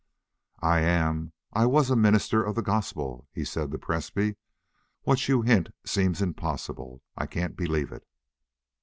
"I am I was a minister of the Gospel," he said to Presbrey. "What you hint seems impossible. I can't believe it."